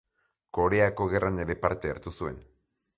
Koreako Gerran ere parte hartu zuen.